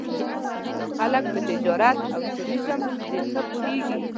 دا خلک په تجارت او ټوریزم ډېر ښه پوهېږي.